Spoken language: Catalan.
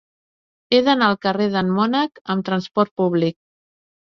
He d'anar al carrer d'en Mònec amb trasport públic.